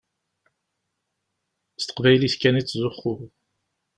S teqbaylit kan i ttzuxxuɣ.